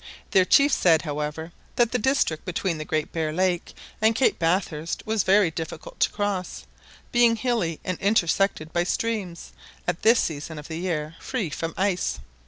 Their chief said, however, that the district between the Great Bear Lake and Cape Bathurst was very difficult to cross, being hilly and intersected by streams, at this season of the year free from ice.